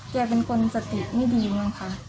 แกเป็นคนสติไม่ดีมั้งค่ะ